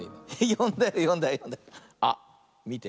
よんだよよんだよよんだよ。あっみて。